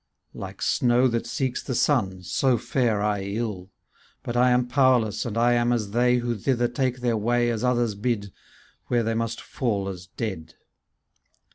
83 CANZONIERE Like snow that seeks the sun, so fare I ill; But I am powerless, and I am as they Who thither take their way As others bid, where they must fall as dead.